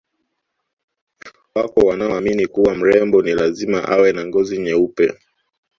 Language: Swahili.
Wako wanaoamini kuwa mrembo ni lazima uwe na ngozi nyeupe